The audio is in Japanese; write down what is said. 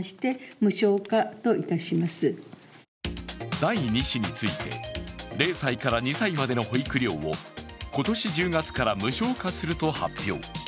第２子について、０歳から２歳までの保育料を今年１０月から無償化すると発表。